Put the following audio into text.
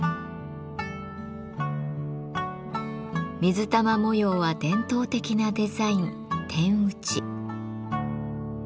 水玉模様は伝統的なデザイン点打ち。